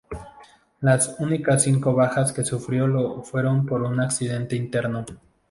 Las únicas cinco bajas que sufrió lo fueron por un accidente interno.